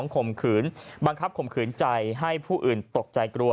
ข่มขืนบังคับข่มขืนใจให้ผู้อื่นตกใจกลัว